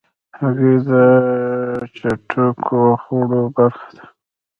هګۍ د چټکو خوړو برخه ده.